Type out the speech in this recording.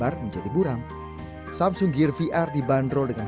karena sangat tidak nyaman ketika menggunakan lensa berdebu yang menghasilkan gamut